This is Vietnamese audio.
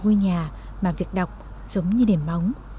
ngôi nhà mà việc đọc giống như nền bóng